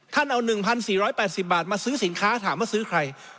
เอา๑๔๘๐บาทมาซื้อสินค้าถามว่าซื้อใคร